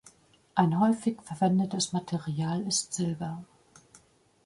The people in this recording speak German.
Ein häufig verwendetes Material ist Silber.